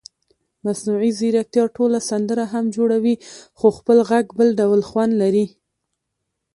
مصنوعي ځیرکتیا ټوله سندره هم جوړوي خو خپل غږ بل ډول خوند لري.